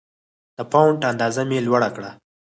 د فونټ اندازه مې لوړه کړه.